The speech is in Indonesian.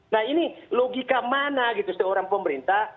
nah ini logika mana gitu seorang pemerintah